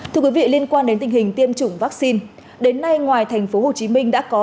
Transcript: thưa quý vị liên quan đến tình hình tiêm chủng vaccine đến nay ngoài thành phố hồ chí minh đã có